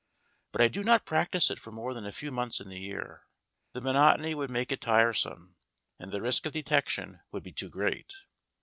But I do not practise it for more than a few months in the year. The mo notony would make it tiresome; and the risk of detec tion would be too great.